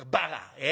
ええ？